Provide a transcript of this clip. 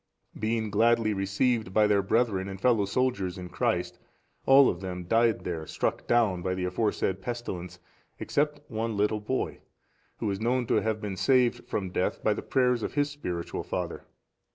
Being gladly received by their brethren and fellow soldiers in Christ, all of them died there struck down by the aforesaid pestilence, except one little boy, who is known to have been saved from death by the prayers of his spiritual father.